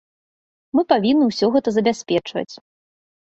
Мы павінны ўсё гэта забяспечваць.